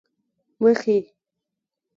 مخې،